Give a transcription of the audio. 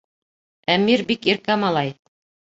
Әмир бик иркә малай.